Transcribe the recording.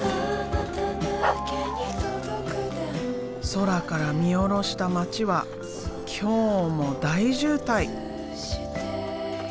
空から見下ろした街は今日も大渋滞。